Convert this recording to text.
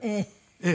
ええ。